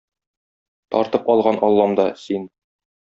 Тартып алган Аллам да - син!